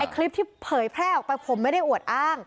คลิปที่เผยแพร่ออกไปผมไม่ได้อวดอ้าง